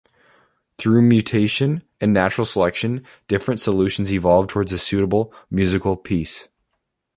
Through mutation and natural selection, different solutions evolve towards a suitable musical piece.